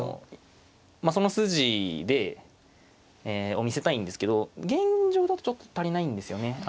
その筋を見せたいんですけど現状だとちょっと足りないんですよね。